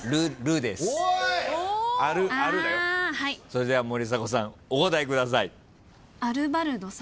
それでは森迫さんお答えください。